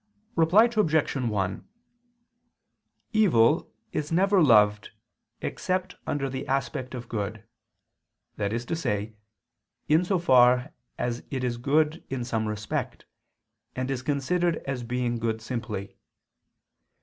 Reply Obj. 1: Evil is never loved except under the aspect of good, that is to say, in so far as it is good in some respect, and is considered as being good simply.